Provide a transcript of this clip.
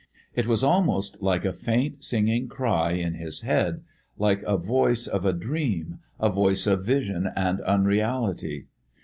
It was almost like a faint singing cry in his head, like a voice of dream, a voice of vision and unreality.